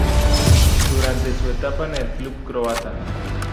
Durante su etapa en el club croata.